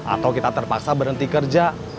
atau kita terpaksa berhenti kerja